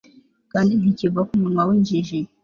kandi ntikiva ku munwa w'injiji